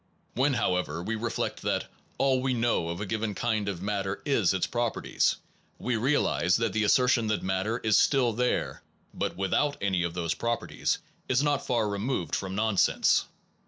When, however, we reflect that all we know of a given kind of matter is its properties, we realize that the assertion that the matter is still there, but without any of those properties, is not far removed from nonsense.